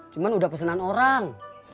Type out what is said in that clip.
cuma udah pesenan orang